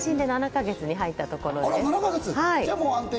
７か月に入ったところです。